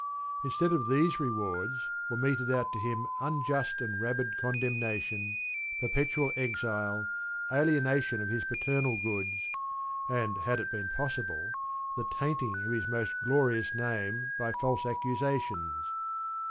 Instead of these rewards were meted out to him unjust and rabid condemnation, perpetual exile, alienation of his paternal goods, and, had it been possible, the tainting of his most glorious name by false accusations.